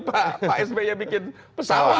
pak sp yang bikin pesawat